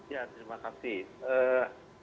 ya terima kasih